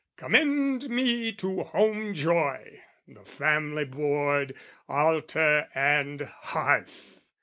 Commend me to home joy, the family board, Altar and hearth!